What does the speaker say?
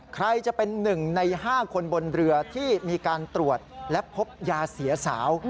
ใครจะเป็น๑ใน๕คนบนเรือที่มีการตรวจและพบยาเสียสาว